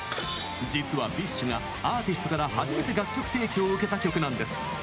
実は、ＢｉＳＨがアーティストから初めて楽曲提供を受けた曲なんです。